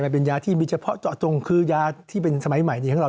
เป็นยาที่มีเฉพาะเจาะจงคือยาที่เป็นสมัยใหม่ของเรา